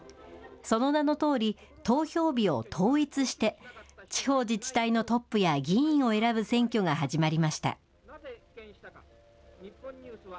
その名のとおり、投票日を統一して、地方自治体のトップや議員を選ぶ選挙が始まりました。